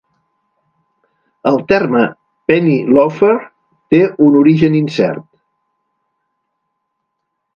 El terme "penny loafer" té un origen incert.